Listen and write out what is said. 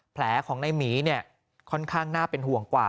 แผลของในหมีเนี่ยค่อนข้างน่าเป็นห่วงกว่า